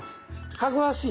かぐわしい